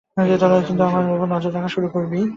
কি, আমার উপর নজর রাখা শুরু করবি?